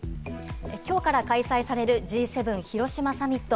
きょうから開催されるＧ７広島サミット。